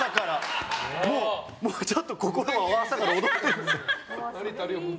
もうちょっと心が朝から躍ってるんですよ。